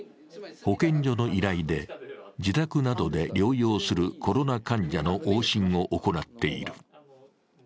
保健所の依頼で自宅などで療養するコロナ患者の往診を行っている。